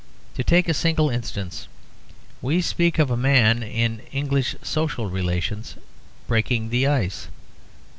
To take a single instance: we speak of a man in English social relations 'breaking the ice.'